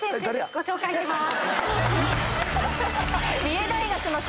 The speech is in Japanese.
ご紹介します。